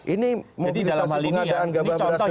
ini mobilisasi pengadaan gabah beras dalam negeri